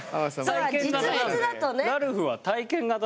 実物だとね。